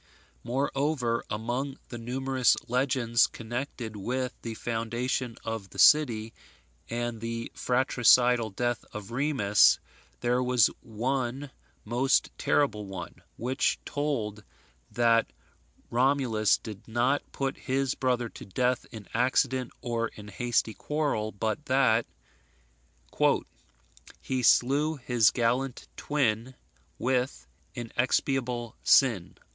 Moreover, among the numerous legends connected with the foundation of the city, and the fratricidal death of Remus, there was one most terrible one, which told that Romulus did not put his brother to death in accident, or in hasty quarrel, but that "He slew his gallant twin With inexpiable sin."